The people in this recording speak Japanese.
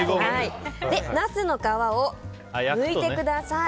ナスの皮をむいてください。